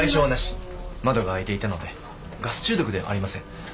窓が開いていたのでガス中毒ではありません。